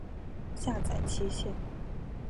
下载期限